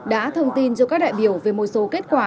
đã thông tin cho các đại biểu về một số kết quả